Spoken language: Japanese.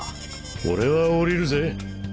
俺は降りるぜ。